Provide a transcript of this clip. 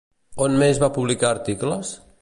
On més va publicar articles?